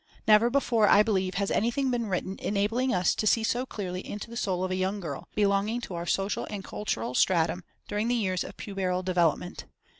Never before, I believe, has anything been written enabling us to see so clearly into the soul of a young girl, belonging to our social and cultural stratum, during the years of puberal development.